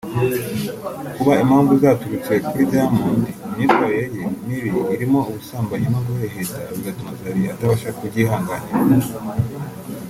ku mpamvu zaturutse kuri Diamond ku myitwarire ye mibi irimo ubusambanyi no guheheta bigatuma Zari atabasha kubyihanganira